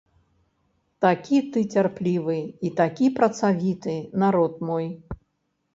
Такі ты цярплівы і такі працавіты, народ мой.